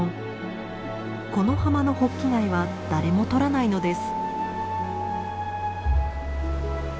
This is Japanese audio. この浜のホッキ貝は誰もとらないのです。